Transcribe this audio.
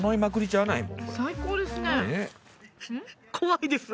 最高ですね。